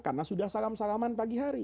karena sudah salam salaman pagi hari